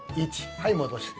はい、戻して。